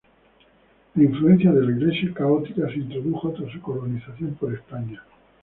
La influencia de la Iglesia católica se introdujo tras su colonización por España.